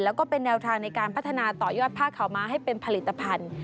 แล้วก็เป็นแนวทางในการพัฒนาต่อยอดผ้าขาวม้าให้เป็นผลิตภัณฑ์